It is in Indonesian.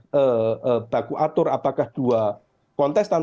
mengatur apakah dua kontestan